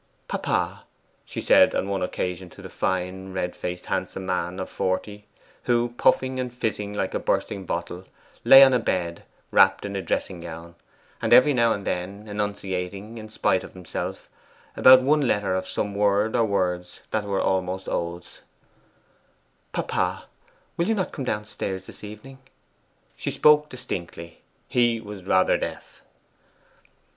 'Papa,' she said on one occasion to the fine, red faced, handsome man of forty, who, puffing and fizzing like a bursting bottle, lay on the bed wrapped in a dressing gown, and every now and then enunciating, in spite of himself, about one letter of some word or words that were almost oaths; 'papa, will you not come downstairs this evening?' She spoke distinctly: he was rather deaf.